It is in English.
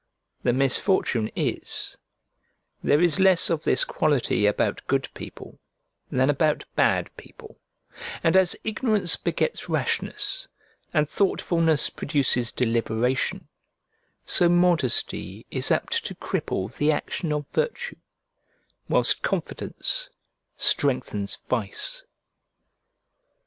The misfortune is, there is less of this quality about good people than about bad people, and as ignorance begets rashness, and thoughtfulness produces deliberation, so modesty is apt to cripple the action of virtue, whilst confidence strengthens vice.